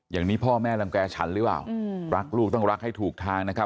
อย่างนี้พ่อแม่รังแก่ฉันหรือเปล่ารักลูกต้องรักให้ถูกทางนะครับ